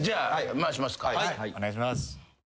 ・お願いします。